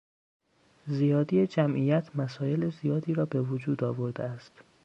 زیادی جمعیت مسائل زیادی را به وجود آورده است.